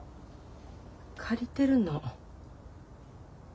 借りてるの。